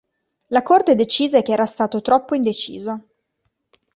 La corte decise che era stato troppo indeciso.